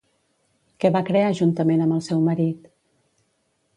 Què va crear juntament amb el seu marit?